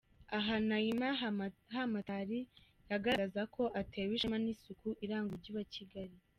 Aha, Naima Hamatali yagaragazaga ko atewe ishema n'isiku iranga umujyi wa Kigali.